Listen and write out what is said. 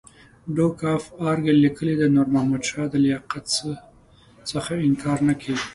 ډوک اف ارګایل لیکي د نور محمد شاه د لیاقت څخه انکار نه کېږي.